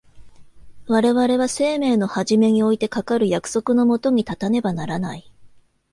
我々は生命の始めにおいてかかる約束の下に立たねばならない。